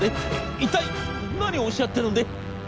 一体何をおっしゃってるんで？』。